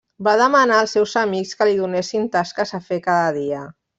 Va demanar als seus amics que li donessin tasques a fer cada dia.